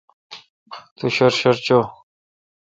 تو شر شر چوں۔